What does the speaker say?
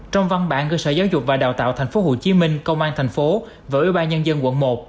trong văn bản cơ sở giáo dục và đào tạo tp hcm công an tp hcm và ủy ban nhân dân quận một